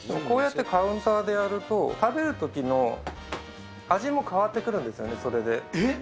こうやってカウンターでやると、食べるときの味も変わってくるんですよね、それで。